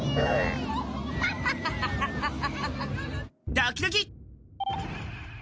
ドキドキ。